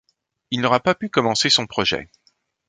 Il n’aura pas pu commencer son projet.